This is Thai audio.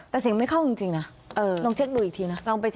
แต่เสียงไม่เข้าจริงนะลองเช็คดูอีกทีนะ